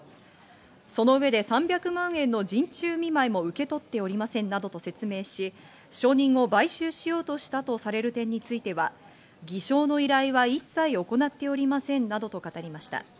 その上で３００万円の陣中見舞いも受け取っておりませんなどと説明し、証人を買収しようとしたとされる点については、偽証の依頼は一切行っておりませんなどと語りました。